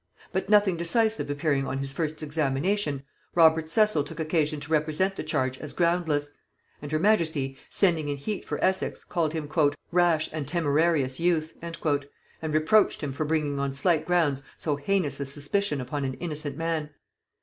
But nothing decisive appearing on his first examination, Robert Cecil took occasion to represent the charge as groundless; and her majesty, sending in heat for Essex, called him "rash and temerarious youth," and reproached him for bringing on slight grounds so heinous a suspicion upon an innocent man.